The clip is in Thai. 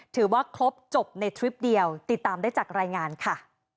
ถือว่าครบจบในทริปเดียวติดตามได้จากรายงานค่ะ